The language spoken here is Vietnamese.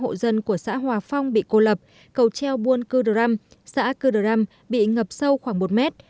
ba trăm linh hộ dân của xã hòa phong bị cô lập cầu treo buôn cư đờ răm xã cư đờ răm bị ngập sâu khoảng một mét